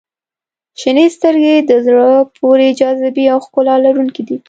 • شنې سترګې د زړه پورې جاذبې او ښکلا لرونکي دي.